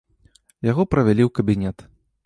Яго правялі ў кабінет.